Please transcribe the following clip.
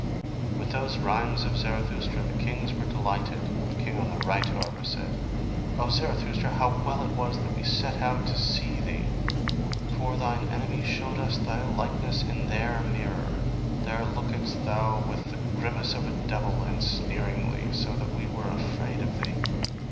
With those rhymes of Zarathustra the kings were delighted; the king on the right, however, said: "O Zarathustra, how well it was that we set out to see thee! For thine enemies showed us thy likeness in their mirror: there lookedst thou with the grimace of a devil, and sneeringly: so that we were afraid of thee.